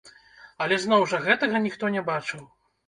Але зноў жа гэтага ніхто не бачыў.